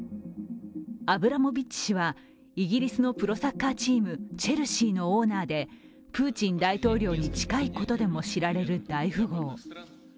アブラモビッチ氏は、イギリスのプロサッカーチームチェルシーのオーナーで、プーチン大統領大統領に近いことでも知られる大富豪。